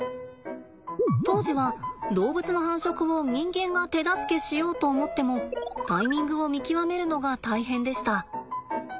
当時は動物の繁殖を人間が手助けしようと思ってもタイミングを見極めるのが大変でした。